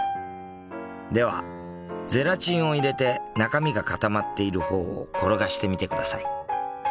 ではゼラチンを入れて中身が固まっている方を転がしてみてください。